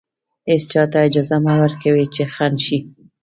هېچا ته اجازه مه ورکوئ چې خنډ شي.